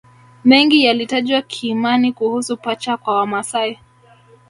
Mengi yalitajwa kiimani kuhusu pacha kwa Wamasai